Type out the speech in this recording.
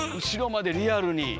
後ろまでリアルに。